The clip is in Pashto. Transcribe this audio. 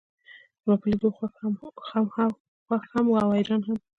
زما پۀ لیدو خوښ هم و او حیران هم.